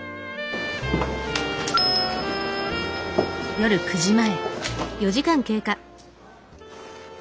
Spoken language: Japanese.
夜９時前。